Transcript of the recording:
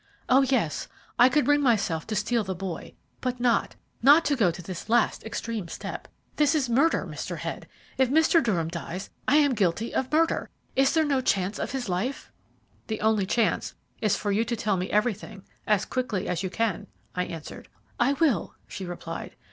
Oh yes, I could bring myself to steal the boy, but not, not to go to this last extreme step. This is murder, Mr. Head. If Mr. Durham dies, I am guilty of murder. Is there no chance of his life?" "The only chance is for you to tell me everything as quickly as you can," I answered. "I will," she replied.